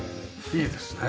いいですね。